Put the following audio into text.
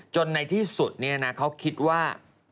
จนในที่สุดเนี่ยนะเขาคิดว่า